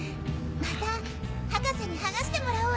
また博士に剥がしてもらおうよ。